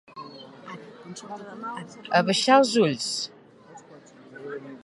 Abaixar els ulls.